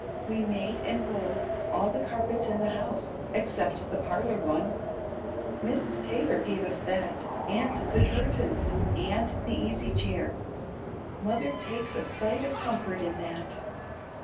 We made and wove all the carpets in the house, except the parlor one. Mrs. Taylor gave us that, and the curtains, and the easy chair. Mother takes a sight of comfort in that."